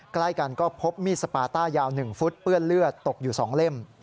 ใกล้กันก็พบมีดสปาต้ายาว๑ฟุตเปื้อนเลือดตกอยู่๒เล่ม